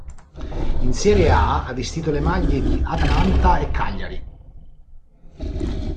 In Serie A ha vestito le maglie di Atalanta e Cagliari.